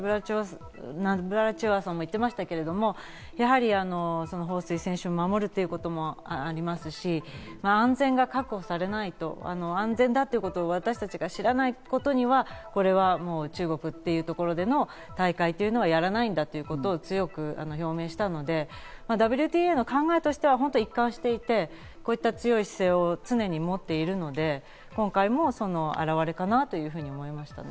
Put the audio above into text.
ナブラチロワさんも言ってましたけど、ホウ・スイ選手のこともありますし、安全が確保されないと安全だということを私たちが知らないことには中国というところでの大会というのはやらないんだということを強く表明したので、ＷＴＡの考えとしては一貫していて、こういった強い姿勢を常にもっているので、今回もその表れかなと思いました。